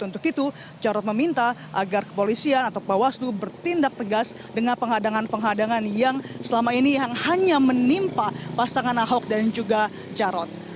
untuk itu jarod meminta agar kepolisian atau bawaslu bertindak tegas dengan penghadangan penghadangan yang selama ini yang hanya menimpa pasangan ahok dan juga jarot